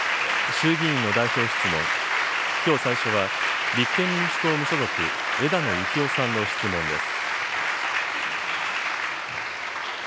衆議院の代表質問、きょう最初は、立憲民主党・無所属、枝野幸男さんの質問です。